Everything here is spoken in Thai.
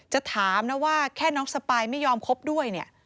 จะถามว่าแค่น้องสปายไม่ยอมคบด้วย